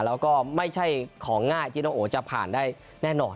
แล้วก็ไม่ใช่ของง่ายที่น้องโอจะผ่านได้แน่นอน